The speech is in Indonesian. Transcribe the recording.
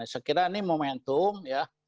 sekiranya momentum ya